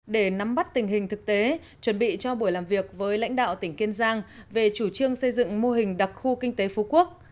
để nắm bắt tình hình thực tế chuẩn bị cho buổi làm việc với lãnh đạo tỉnh kiên giang về chủ trương xây dựng mô hình đặc khu kinh tế phú quốc